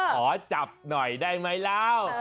ขอจับหน่อยได้ไหมเล่า